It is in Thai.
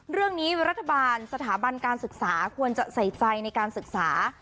เรื่องนี้รัฐบาลสถาบันการศึกษาควรจะใส่ใจในการศึกษา